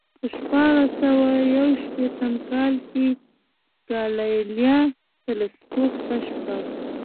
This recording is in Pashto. په شپاړس سوه یو شپېتم کال کې ګالیله تلسکوپ کشف کړ